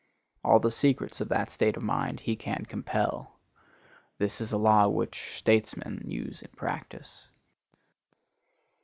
All the secrets of that state of mind he can compel. This is a law which statesmen use in practice.